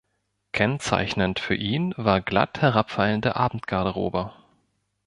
Kennzeichnend für ihn war glatt herabfallende Abendgarderobe.